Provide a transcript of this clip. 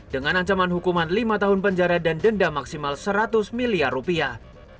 dengan ancaman hukuman lima tahun penjara dan denda maksimal seratus miliar rupiah